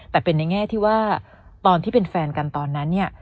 แต่เป็นในแง่ที่ว่าตอนที่เป็นแฟนกันตอนนั้นเนี่ย